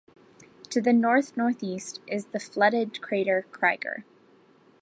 To the north-northeast is the flooded crater Krieger.